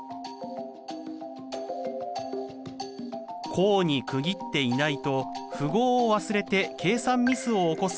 項に区切っていないと符号を忘れて計算ミスを起こすことがあります。